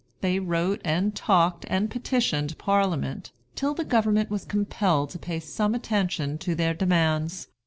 They wrote, and talked, and petitioned Parliament, till the government was compelled to pay some attention to their demands.